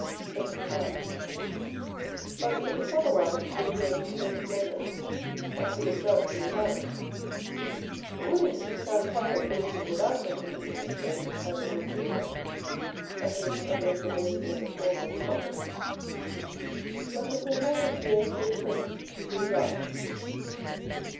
§ IX. But it is otherwise if the pillar be so slender as to look doubtfully balanced. It would indeed stand quite as safely without an independent base as it would with one (at least, unless the base be in the form of a socket). But it will not appear so safe to the eye.